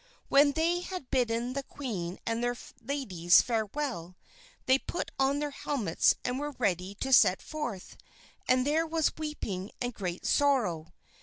When they had bidden the queen and their ladies farewell, they put on their helmets and were ready to set forth, and there was weeping and great sorrow.